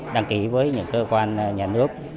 đăng ký với những cơ quan nhà nước